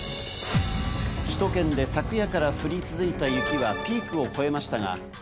首都圏で昨夜から降り続いた雪はピークを越えましたが。